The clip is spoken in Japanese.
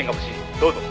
どうぞ」